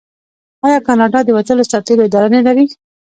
آیا کاناډا د وتلو سرتیرو اداره نلري؟